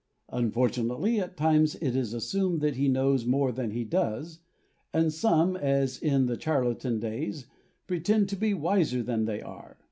Unfortunately, at times it is assumed that he knows more than he does, and some, as in the charlatan days, pretend to be wiser than they are.